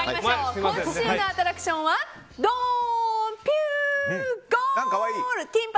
今週のアトラクションはドーン！